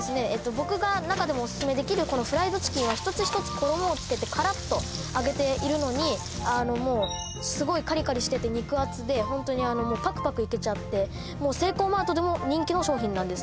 僕が中でもオススメできるこのフライドチキンは一つ一つ衣をつけてからっと揚げているのにすごいカリカリしてて肉厚でホントにあのもうパクパクいけちゃってセイコーマートでも人気の商品なんです